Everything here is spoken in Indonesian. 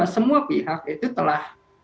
semua pihak itu telah